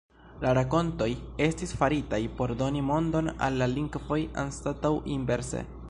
La 'rakontoj' estis faritaj por doni mondon al la lingvoj anstataŭ inverse.